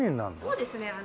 そうですねあの。